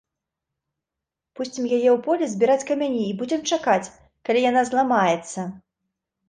Пусцім яе ў поле збіраць камяні і будзем чакаць, калі яна зламаецца!